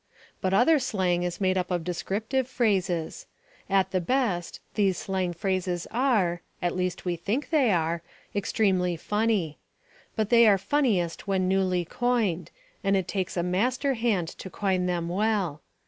But other slang is made up of descriptive phrases. At the best, these slang phrases are at least we think they are extremely funny. But they are funniest when newly coined, and it takes a master hand to coin them well.